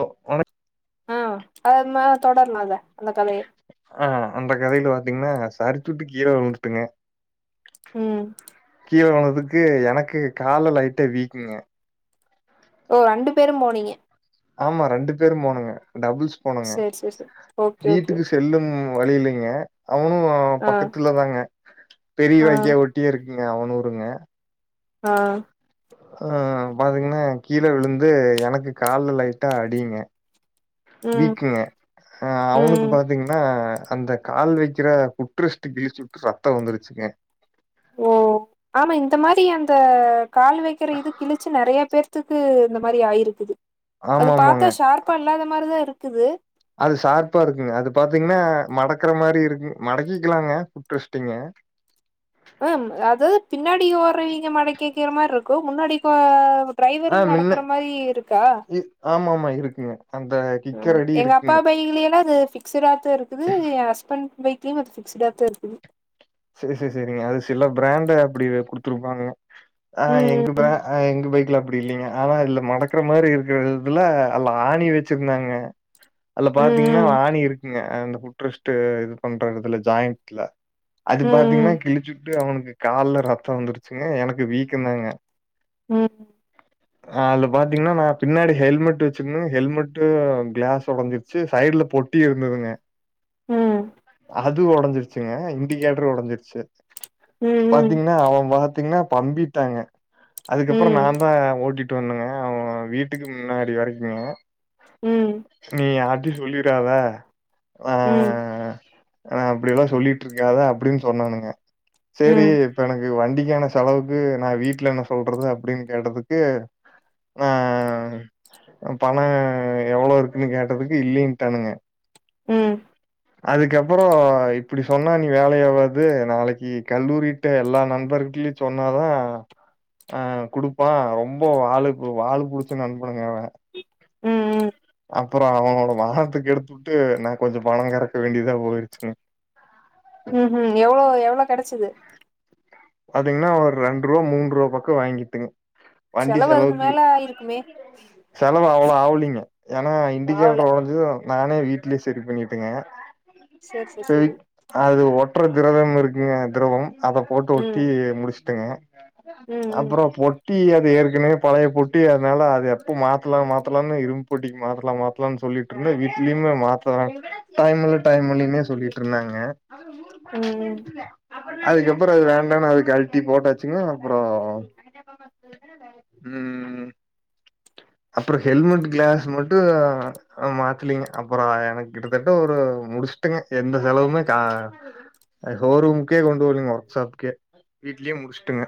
ஓ உனக் ஆ [unintelligible] தொடரலாங்க அந்த கதைய ஆ அந்த கதையில பாத்தீங்கன்னா சர்கியூட்டு கீழ விழுந்துட்டுங்க ம் கீழ போனதுக்கு எனக்கு கால்ல லைட்டா வீக்கங்க ஓ ரண்டு பேரும் போனீங்க ஆமா ரெண்டு பேரும் போனுங்க டபுள்ஸ் போனுங்க சேரி சேரி சேரி ஓகே ஓகே வீட்டுக்கு ஓகே செல்லும் வழி இல்லைங்க அவனும் ஆ பக்கத்துல தாங்க பெரிய ஆ வாய்க்கா ஓட் டியே இருக்குங்க அவனூருங்க ஆ ஆ பாதிங்கன்ன கீழ விழுந்து எனக்கு கால்லு லைட்டா அடிங்க ம் வீக்குங்க அ அவனுக்கு ம் பாத்தீங்கன்னா அந்த கால் வைக்கிற ஃபுட் ரெஸ்ட்டு கிழிச்சு விட்டு ரெத்த வந்துருச்சுங்க ஓ ஆமா இந்த மாரி அந்த கால் வைக்கிற இது கிழிச்சு நெறைய பேர் த்துக்கு இந்த மாரி ஆயிருக்குது அது ஆமா ஆமாங்க பாத்தா ஷார்ப்பா இல்லாத மாரிதா இருக்குது அது சாரப்பா இருக்குங்க அது பாத்தீங்கன்னா மடக்கக்குற மாரி இருக்கு மடக்கிக்கலாங்க ஃபுட்ரஸ்டிங்க ம் அது பின்னாடி ஓறவங்க மடக்கி வகிற மாரி இருக்கு முன்னாடி கோ ஆ டிரைவரும் மின்ன மடக்கற மாரி இருக்கா ஆமாமா இருக்குங்க அந்த கிக்கர் ம் அடி எங்க அப்பா இருக்குங்க. பைலயல்லா அது பிக்ஸ்ட்த்த இருக்குது என் ஹஸ்பண்ட் பைக் லியு பிக்ஸ்ட்த்தா இருக்குது செரி செரி செரிங்க அது சில பிராண்ட அப்டி குடுத்துருப்பாங்க ஆ எங்க ம் ப்ரா ஆ எங்க பைக்கல அப்டி இல்லிங்க ஆனா இதுல மடக்கற மாரி இருக்கதுல அல்ல ஆணி வச்சிருந்தாங்க அல ம் பாத்தீங்கன்னா ம் ஆணி இருக்குங்க அந்த புட்ரெஸ்ட்டு இது பண்ற எடத்துல ஜாயிண்டட்ல அது ம் பாத்தீங்கன்னா கிழிச்சுட்டு அவனுக்கு கால்ல ரத்தம் வந்துருச்சுங்க எனக்கு வீக்கம்தாங்க ம் அ அதுல பாத்தீங்கன்னா நா பின்னாடி ஹெல்மெட் வச்சிருந்து ஹெல்மெட்டு கிளாஸ் ஒடஞ்சிரு சி சைடுல பொட்டி இருந்ததுங்க ம் அது ஒடஞ்சிருச்சுங்க இண்டிகேட்டர் ஒடஞ்சிருச்சு ம் ம் பாத்தீங்ன்னா அவ பாத்தீங்ன்னா பம்பிட்டாங்க அதுக்கப்புற நா ம் தா ஓட்டிட்டு வந்தங்க அவ வீட்டுக்கு முன்னாடி வரைக்குங்க ம் நீ யார்ட்டையு சொல்லி க்காத அ அப்டியெல்லா சொல்லிட் இருக் க்காத அப்டின் சொன்னனுங்க செரி ம் இப்ப எனக்கு வண்டிக்கான செலவுக்கு நா வீட்ல என்ன சொல்றது அப்டின் கேட்டதுக்கு ஆ பண எவ்ள இருக்குனு கேட்டதுக்கு இல்லன்ட்டானுங்க ம் அதுக்கப்பற இப்படி சொன்னா நீ வேலை ஆவாது நாளைக்கு கல்லூரிட்ட எல்லா நண்பர்ட்டயு சொன்னாதா ஆ குடுப்பா ரொம்ப வாலு வாலு புடுச்ச நண்பணுங்க அவ ம் அப்பற அவனோட வானத்த கெடுத்துட்டு நா கொஞ்ச பண கறக்க வேண்டியதா போயிருச்சுங்க ம் ம் எவ்ளோ எவ்ளோ கெடச்சிது பாத்தீங்னா ஒரு ரெண்டு ரூவா மூண் ரூவா பக்க வாங்கிட்டுங் வண்டி செலவு அதுக்கு செலவுக்கு மேல ஆயிருக்குமே செலவு அவ்ள ஆவலிங்க ஏனா ஆவல இண்டிகேட்டர் ஒடஞ்சது நானே வீட்லயே சரி பண்ணிட்டேங்க சரி சரி சரி அது ஒட்டுற திரவம் இருக்குங்க திரவம் அத போட்டு ஒட் ம் டி முடிச்சுட்டங்க ம் ம் ம் அப்புற போட் டி அது ஏற்கனவே பழைய பொட்டி அதனால அது எப்போ மாத்தலா மாத்தலான் இரும் பொட்டிக்கு மாத்தலான் மாத்தலான் சொல்லிட் இருந்த வீட்லயுமே மாத்ததா டைம்ல டைம்லேனே சொல்லிட்டு இருந்தாங்க ம் அதுக்கப்புற அது வேண் டான்ணு அது கழட்டி போட்டாச்சுங்க அப்புறோ ம் அப்புற ஹெல்மெட் கிளாஸ் மட்டு மாத்தலீங்க அப்புற எனக் கிட்டத்தட்ட ஒரு முடிச்சுட்டுங்க எந்த செலவுமே கா அ ஹோரூமுக்கே கொண்டு போலீங்க ஒர்க் ஷாப்கே வீட்லயே முடிச்ட்டங்க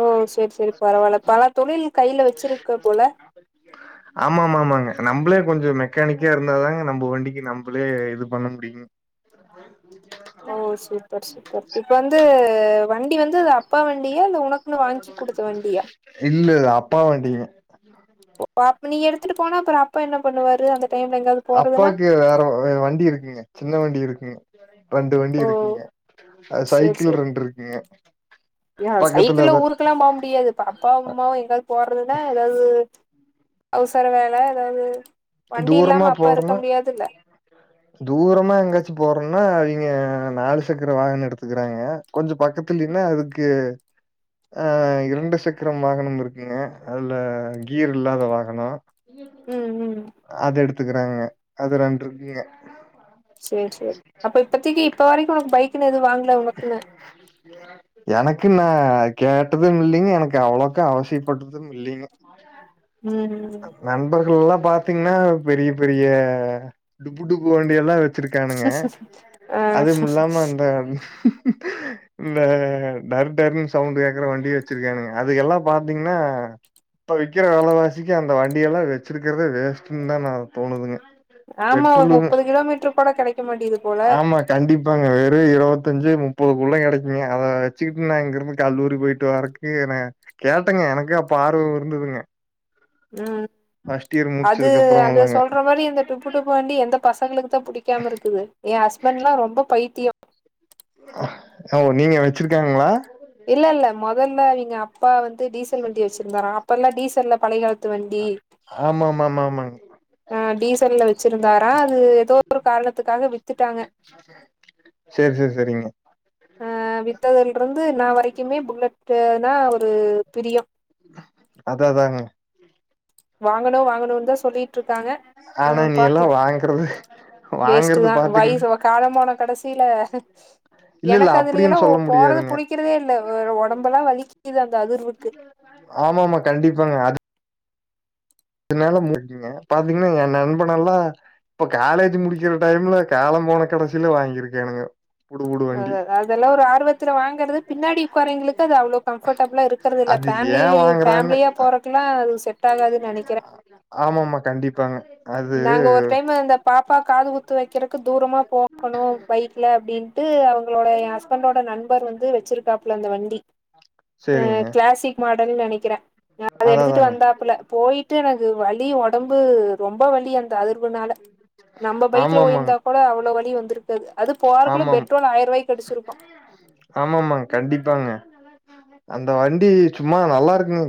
ஓ சரி சரி பரவால்ல பல தொழில் கையில வச்சிருக்கு போல ஆமா ஆமா ஆமாங்க நம்பளே கொஞ்ச மெக்கானிக்கா இருந்தாதாங்க நம்ப வண்டிக்கு நம்ப ளே இது பண்ண முடியு [unintelligible] ஓ சூப்பர் சூப்பர் இப்போ வந்து வண்டி வந்து தா அப்பா வண்டியா இல்ல உனக்குனு வாங்கி குடுத்த வண்டியா இல்ல இல்ல அப்பா வண்டிங் ஓ அப்ப நீ எடுத்துட்டு போனா அப்புற அப் அப்பாக்கு வேற வ வண்டி இருக் ங்க சின்ன வண்டி இருக்குங்க ரெண்டு வண்டி ஓ இருக்குங்க அது சைக்கிள் ரெண்டு இருக்குங்க ய பக்கத்துல சைக்கிள்ல அது ஊருகெல்லா போ முடியாது பா அப்பாவு அம்மாவு எங்காவது போறதுன்னா ஏதாது அவுசர வேல் ல ஏதாது வண்டி தூரமா இல்லாம அப்பா இருக்க போறோன்னா முடியாதுல்ல தூரமா எங்காச்சி போறனா இவிங்க நாலு சக்கர வாகன எடுத்துக்கிறாங்க கொஞ்ச பக்கத்துலினா அதுக்கு ஆ இரண்டு சக்கரம் வாகனம் இருக்குங்க அதில கீர் இல்லாத வாகனோ இய ம் ம் அது எடுத்துகிறாங்கங்க அது ரெண்ட்ருக்குங்க சேர் சேர் அப்ப இப்பத்திக்கு இப்ப வரைக்கு ஒரு பைக் [inaudible] எனக்கு நா கேட்டதுமில்லிங்க எனக்கு அவ்வளக்கா அவசியப்பட்டதும் இல்லிங்க ம் நண்பர்கள் எல்லா பாத்திங்னா பெரிய பெரிய டுபு டுபு வண்டி எல்லா வெ ச்சிருக்கானுங்க ஆ அதுமில்லாம அந்த இந்த டர் டர்னு சவுண்ட் கேக்குற வண்டி வெச்சிருக்கானுக அதுகெல்லா பாத்திங்னா இப்ப விக்கற வெலவாசிக்கு அந்த வண்டியெல்லா வெச்சிருக்கறதே வேஸ்ட்டுன்தா நா தோணுதுங்க ஆமா ஒரு பெட்ரோலும் முப்பது கிலோமீட்ரு கூட கெடைக்க மாட்டிங்குது போல ஆமா கண்டிப்பாங்க வெறு இருவத்தஞ்சு முப்பது குள்ள கெடைக்குங்க அத வெச்சுகிட்டு நா இங்கிருந்து கல்லூரி போய்ட்டு வாரக்கு ஏன கேட்டங்க எனக்கு அப்ப ஆர்வம் இருந்துதுங்க ம் அது முடிச்சதுக்கு அந்த அப்புறம்ல்லங்க சொல்ற மாரி இந்த டுபு டுபு வேண்டி எந்த பசங்களுக்குதா பிடிக்காம இருக்குது எ ஹஸ்பண்ட்லா ரொம்ப பைத்திய ஓ நீங்க வெச்சிருக்காங்களா இல்லல்ல மொதல்ல இவிங்க அப்பா வந்து டீசல் வண்டி வெச்சிருந்தாரா அப்ப எல்லா டீசல்ல பழய காலத் து வண்டி ஆமா ஆமா ஆமா ஆமாங்க ஆ டீசல்ல வெ ச்சிருந்தாரா அது ஏதோ ஒரு காரணத்துக்காக வித்துட்டாங்க சேர் சேர் செரிங்க ஆ வித்ததுல இருந்து இன்னா வரைக்குமே புல்லட்டுனா ஒரு பிரிய அதா அதாங்க வாங்கணு வாங்கணுன்தா சொல்லிட்ருக்காங்க ஆ ஆனா நீ எல்லா பாக்லா வாங்கறது வாங்கறது வேஸ்ட்டுதா பாத்தீங்கன்னா வயிசவா காலம்போன கடைசில இல்ல இல்ல எனக்கு அதுலயெல்லா அப்டின்னு சொல்ல போறது முடியாதுங்க புடிக் கிறதே இல்ல ஒரு உடம்பெலா வலிக்குது அந்த அதிர்வுக்கு ஆமாமா கண்டிப்பாங்க அது னால முடியுங்க பாத்திங்கனா என் நண்பனெல்லா இப்ப காலேஜ் முடிக்கிற டைம்ல காலம் போன கடைசில வாங்கிருக்கானுக அதாத அதெல்லா ஒரு ஆர்வத்துல வாங்குறது பின்னாடி உக்காரவிங்களுக்கு அது அவ்ளோ கம்ஃபர்டபிளா இருக் கறதில்ல அது ஃபேமிலி ஏ வாங்குறான்னு ஃபேமிலியா போறக்குலா அது செட் ஆகாதுன்னு நெனைக்கிறே ஆமாமா கண்டிப்பாங்க அது நாங்க ஒரு டைம் அந்த பாப்பா காது குத்து வைக்கறக்கு தூரமா போகணு பைக்ல அப்டின் ட்டு அவங்களோட எ ஹஸ்பண்டோட நண்பர் வந்து வெச்சிருக்காப்ல அந்த வண்டி அ சேரிங்க கிளாசிக் மாடல்ன் நெனைக்கிற அத எடுத்துட்டு வந்தாப்புல போயி ட்டு எனக்கு வலி ஒடம்பு ரொம்ப வலி அந்த அதிர்வுனால நம்ம பைக்ல ஆமாமாங்க ஓயிருந்தா கோட அவ்ள வழி வந்திருக்காது அது போறக்குள்ள பெட்ரோல் ஆயர்வாய்க்கு அடிச்சிருப்போ ஆமாமாங் கண்டிப்பாங்க அந்த வண்டி சும்மா நல்லா இருக்குங்க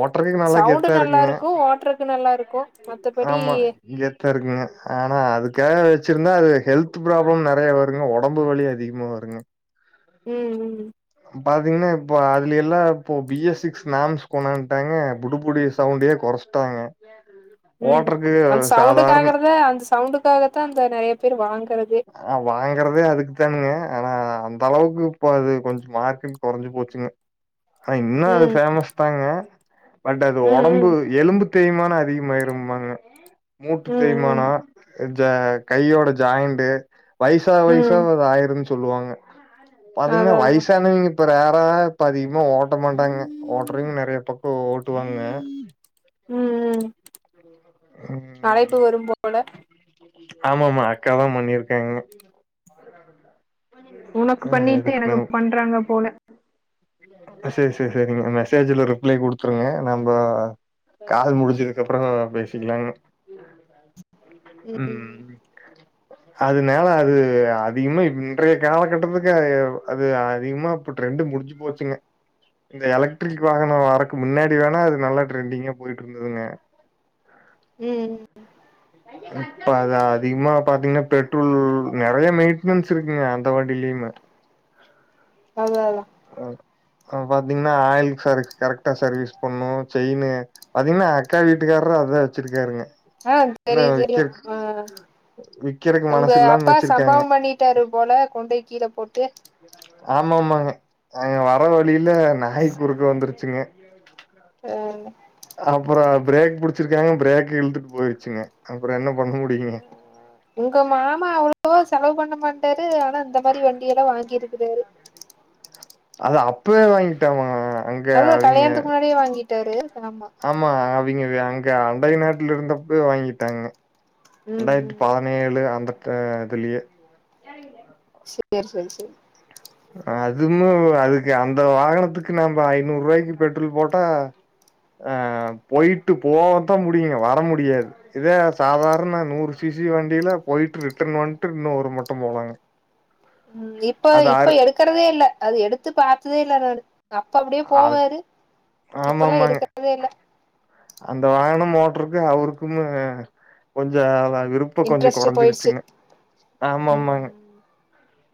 ஓட்டுறதுக்கு நல்லா சவுண்டு கெத்தா இருக்குங்க நல்லாருக்கு ஓட்றக்கு நல்லாருக்கு மத் ஆமா கெத் தா இருக்குங்க ஆனா அதுக்காக வெச்சிருந்தா அது ஹெல்த் ப்ராப்ளம் நெறையா வருங்க ஒடம்பு வலி அதிகமா வருங்க ம் ம் பாத்திங்னா இப்போ அதுல எல்லா இப்போ பி எஸ் சிக்ஸ் நாம்ஸ் கொனான்ட்டாங்க புடு புடி சவுண்டயே கொறைச் ட்டாங்க ம் அந்த சவுண்டுக்கு சாதாரண ஆகுறதத அந்த சவுண்டுக்கு அதுக்காகத்தான் அந்த நறைய பேர் வாங்றதே ஆ வாங்கறதே அதுக்கு தானுங்க ஆனா அந்த அளவுக்கு இப்போ அது கொஞ்சம் மார்க்கெட் கொறஞ்சு போச்சுங்க ஆ இன்னும் அது ம் பேஃமஸ் தாங்க பட் அது ம் ம் ஒடம்பு எலும்பு தேய்மானம் அதிகமாயிரும்மாங்க மூட்டு ம் ம் தேய்மானம் ஜா கையோட ஜாயிண்டு வயசாவ ம் வயசாவ அது ஆயிருன்னு சொல்லுவாங்க பாத்தீங்கன்னா அதா அதா வயசானவங்க இப்ப வேற இப்ப அதிகமா ஓட்ட மாட்டாங்க ஓட்டுறங்க நறைய பக்கம் ஓட்டுவாங்க ம் ம் அழைப்பு வரும் போல ஆமா ஆமா அக்காதான் பண்ணிருக்காங்க உனக்கு ம் பண்ணிட்டு எனக்கு எதுக்குன்னு பண்றாங்க போல சேரி சேரி சேரிங்க மெசேஜ்ல ரிப்ளே குடுத்துருங்க நம்ப கால் முடிஞ்சதுக்குப்பபறம் பேசிக்கலாங்க ம் ம் அதுனால அது அதிகமாக இன்றைய காலகட்டத்துக்கு அது அதிகமா இப்ப ட்ரெண்டு முடிச்சு போச்சுங்க இந்த எலக்ட்ரிக் வாகனம் வரக்கு முன்னாடி வேனா அது நல்ல ட்ரெண்டிங்கா போயிட்டு இருந்ததுங்க ம் இப்ப அத அதிகமா பாத்தீங்கன்னா பெட்ரோல் நறைய மெயின்டனன்ஸ் இருக்குங்க அந்த வணடியிலுமே அதான் அதான் ஆ அங்க பாத்தீங்கன்னா ஆயில் சர்வீஸ் கரெக்டா சர்வீஸ் பண்ணு செயினு பாத்தீங்கன்னா அக்கா வீட்டுக்காரரு அதான் வச்சிருக்காருங்க ஆ இன்னு தெரியு தெரியு விக்கறக் ஆ விக்கறக்கு உங்க மனசு இல்லாம அப்பா வச்சிருக்காங்க சம்பவம் பண்ணி ட்டாறு போல கொண்டோய் கீழ போட்டு ஆமா ஆமாங்க அங்க வர வழியில நாய் குருக்க வந்துருச்சுங்க ஓரமா அப்பறம் பிரேக் புடிச்சிருக்காங்க பிரேக் இழுத்துட்டு போயிருச்சுங்க அப்பறம் என்ன பண்ண முடியுங்க உங்க மாமா அவ்ளோவா செலவு பண்ண மாட்டாரு ஆனா இந்த மாரி வண்டியல்லாம் வாங்கிருக்கிறாரு [inaudible] அது அப்பவே வாங் அதுதான் கல்யாணத்துக்கு முன்னாடியே வாங்கிட்டாரு ஆமா ஆமா அவிங்க அங்க அண்டை நாட்டுல இருந்தப்பே வாங்கிட்டாங்க ம் ரெண்டாயிரத்தி ப ம் பதினேழு ஆந்ததிலியே [unintelligible] சேர் சேர் சேர் அதுமே அதுக்கு அந்த வாகனத்துக்கு நம்ம ஐநூறு ரூபாய்க்கு பெட்ரோல் போட்டா ஆ போயிட்டு போவ தான் முடியுங்க வர முடியாது இதே சாதாரண நூறு சி சி வண்டியில போயிட்டு ரிட்டன் வந்துட்டு இன்னும் ஒரு மட்டம் போலாங்க ம் இப்ப அது இப்ப அரு எடுக்குறதே இல்ல அது எடுத்து பார்த்ததே இல்லை நானு அப்ப அப்டியே அது போவாரு இப்பல்லாம் ஆமாமாங்க. எடுக்கறதே இல்ல அந்த வாகன மோட்டருக்கு அவருக்குமே கொஞ்சம் அத விருப் இப்ப கொஞ்ச இன்ட்ரெஸ்ட் போயிடுச்சு கொறஞ்சிருச்சுங்க ஆமாம்மாங்க ம்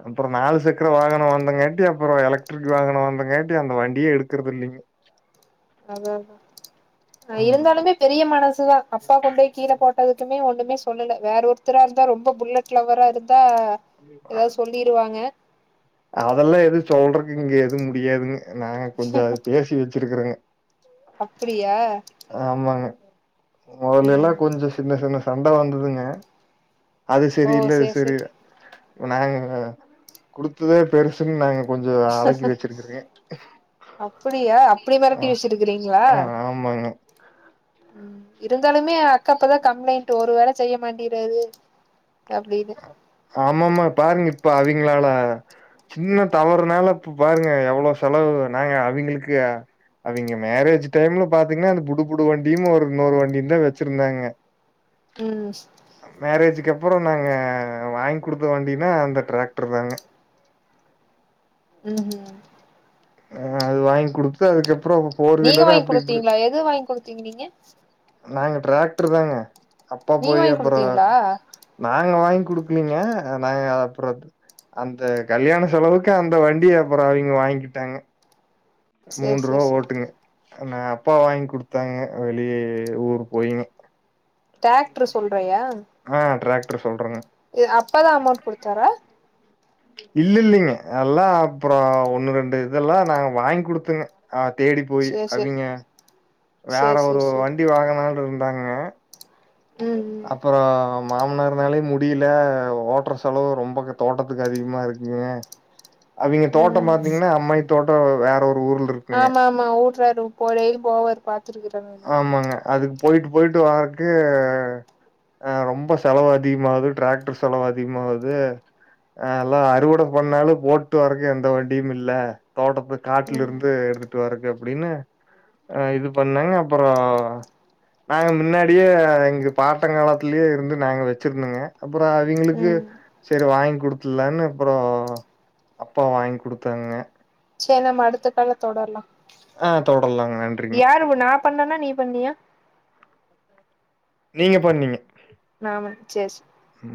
அப்பற நாலு சக்கர வாகனம் வந்தங்காட்டி அப்பற எலக்ட்ரிக் வாகனம் வந்தங்காட்டி அந்த வண்டியே எடுக்கறது இல்லிங்க அததா ம் இருந்தாலுமே பெரிய மனசுதா அப்பா கொண்டு போய் கீழ போட்டதும் ஒண்ணுமே சொல்லல வேற ஒருத்தரா இருந்தா ரொம்ப புல்லெட் லவ்ரா இருந்தா ஏதாவது சொல்லிருவாங்க அதெல்லா எது சொல்றக்கு இங்க எது முடியாதுங்க நாங்க கொஞ்ச பேசி வச்சிருக்கறோங்க அப்டியா ஆமாங்க மொதல்லல்லா ம் கொஞ்ச சின்ன சின்ன சண்ட வந்ததுங்க அது ஓ சரி இல்ல இது சேர் சரி சேர் நாங்க குடுத்தது பெருசுன்னு நாங்க கொஞ்ச அடக்கி வச்சிருக்கிறங்க அப்டியா அப்டி மெரட்டி வச்சிருக்கிறீங்களா ஆ ஆமாங்க ம் இருந்தாலுமே அக்காப்பதா கம்ப்ளைண்ட் ஒரு வேல செய்ய மாட்டிறாரு அப்டின் ஆமாமா பாருங்க இப்ப அவிங்ளால சின்ன தவறுனால இப்ப பாருங்க எவ்வளோ செலவு நாங்க அவங்ளுக்கு அவங்க மேரேஜ் டைம்ல பாத்தீங்கன்னா அந்த புடுபுடு வண்டியு ஒரு இன்னொரு வண்டியு தா வச்சிருந்தாங்க ம் மேரேஜக்கு அப்பற நாங்க வாங்கி குடுத்த வண்டினா அந்த டிராக்டர் தாங்க ம் ஆ அது வாங்கி குடுத்து அதுக்கப்றோ நீங்க வாங்கி குடுத்தீங்களா எது வாங்கி குடுத்தீங்க நீங்க நாங்க டிராக்டர் தாங்க அப்பா நீங்க போய் வாங்கி அப்றோ குடுத்தீங்களா நாங்க வாங் குடுக்கலீங்க நாங்க அப்றோ அந்த கல்யாண செலவுக்கு அந்த வண்டி அப்றோ அவங்க வாங்கிக்கிட்டாங்க சேர் மூன்று ரூபா சேர் சேர் ஓட்டுங்க நா அப்பா வாங்கி குடுத்தாங்க வெளிய ஊரு போய்ங்க டிராக்ட்ரு சொல்றியா ஆ டிராக்ட்ரு சொல்றங்க இது அப்பா தா அமௌண்ட் குடுத்தாரா இல்ல இல்லிங்க எல்லா அப்றோ ஒண்ணு ரெண்டு இதெல்லா நாங்க வாங்குடுத்தங்க ஆ தேடி போயி சேர் சேர் அவிங்க வேற சேர் ஒரு சேர் சேரி வண்டி வாங்களான் இருந்தாங்க ம் அப்றோ மாம்னார்னாலயு முடில ஓட்டுற செலவு ரொம்ப தோட்டத்துக்கு அதிகமா இருக்குங்க அவிங்க ம் ம் தோட்டம் ம் பாத்தீங்ன்னா அம்மாயி தோட்டம் வேற ஒரு ஊர்ல இருக்கு ஆமா ஆமா ஊட்றாரு [unintelligible] போவாரு பாத்துருக்கறாங்க ஆமாங்க அதுக்கு போயிட்டு போயிட்டு வாரக்கு அ ரொம்ப செலவு அதிகமாவ்து டிராக்டர் செலவு அதிகமாவ்து ஆல்லா அறுவட பண்ணாலு போட்டு வரக்கு எந்த வண்டியு இல்ல தோட்டத்து காட்ல ம் இருந்து எடுத்துட்டு வறக்கு அப்டின்னு இது பண்ணங்க அப்றோ நாங்க முன்னாடியே எங்க பாட்டங்கலத்திலே இருந்து நாங்க வச்சிருந்தங்க அப்ற அவிங்களுக்கு ம் செரி வாங்கி குடுத்துலான்னு அப்றோ அப்பா வாங்கி குடுத்தாங்க சேர் நம்ம அடுத்த கால்ல தொடர்லா ஆ தொடரலாங்க. நன்றிங்க. யாரு நா பண்ணனா நீ பண்ணியா நீங்க பண்ணீங்க நானா சேர் சேர் ம்.